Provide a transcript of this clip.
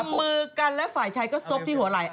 มือกันและฝ่ายชายก็ซบที่หัวไหล่